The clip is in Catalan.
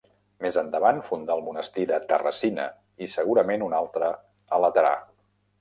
Més endavant funda el monestir de Terracina i segurament un altre a Laterà.